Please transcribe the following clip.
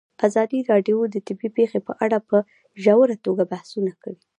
ازادي راډیو د طبیعي پېښې په اړه په ژوره توګه بحثونه کړي.